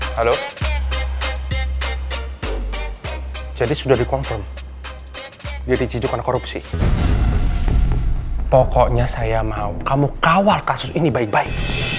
halo jadi sudah di confirm jadi cijukan korupsi pokoknya saya mau kamu kawal kasus ini baik baik